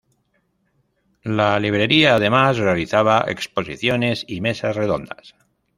La librería además realizaba exposiciones y mesas redondas.